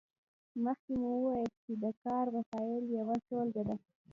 مخکې مو وویل چې د کار وسایل یوه ټولګه ده.